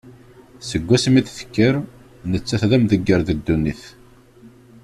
Seg wasmi i d-tekker, nettat d amdegger d ddunit.